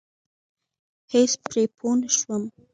هېڅ پرې پوه نشوم.